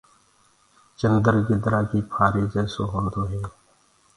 چندر گدرآ ڪي ڦآري جيسو هوندو هي